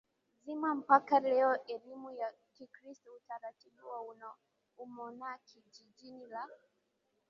zima mpaka leo Elimu ya Kikristo Utaratibu wa umonaki Jiji la